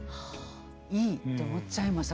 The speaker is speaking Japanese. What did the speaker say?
「いい」って思っちゃいました。